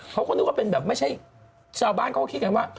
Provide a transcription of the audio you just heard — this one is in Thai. เขาก็นึกว่าเป็นแบบไม่ใช่ชาวบ้านเขาก็คิดกันว่า